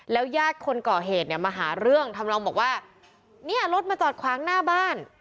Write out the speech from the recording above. ยาดคนก่อเหตุเนี่ยมาหาเรื่องทำนองบอกว่าเนี่ยรถมาจอดขวางหน้าบ้าน